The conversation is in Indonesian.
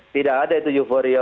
tidak ada itu euforia